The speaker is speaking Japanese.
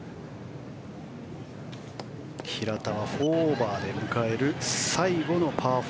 平田は４オーバーで迎える最後のパー４。